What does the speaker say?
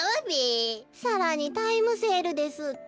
さらにタイムセールですって。